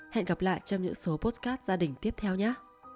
hẹn gặp lại trong những số podcast gia đình tiếp theo nhé